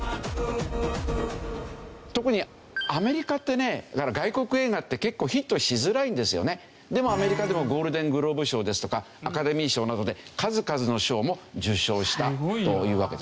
特にアメリカってねでもアメリカでもゴールデングローブ賞ですとかアカデミー賞などで数々の賞も受賞したというわけですね。